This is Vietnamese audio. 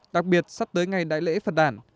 đặc biệt sắp tới ngày đại lễ phật đản